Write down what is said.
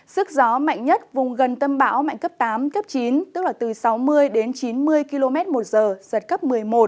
sức gió mạnh nhất vùng gần tâm bão mạnh cấp tám cấp chín tức là từ sáu mươi đến chín mươi km một giờ giật cấp một mươi một